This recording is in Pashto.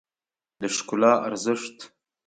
د ښکلا ارزښت